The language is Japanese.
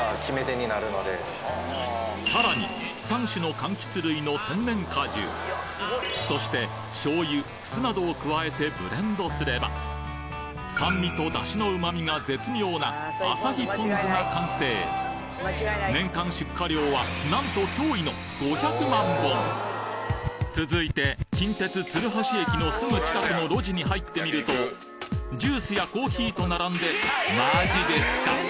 さらに３種の柑橘類の天然果汁そして醤油・酢などを加えてブレンドすれば酸味と出汁の旨みが絶妙な旭ポンズが完成なんと驚異の続いて近鉄鶴橋駅のすぐ近くの路地に入ってみるとジュースやコーヒーと並んでマジですか！？